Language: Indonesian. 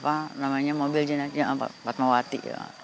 apa namanya mobil jenajah patmawati